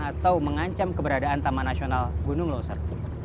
atau mengancam keberadaan taman nasional gunung loser